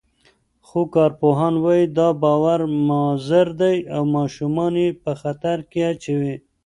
خو کارپوهان وايي، دا باور مضر دی او ماشومان یې په خطر کې اچوي.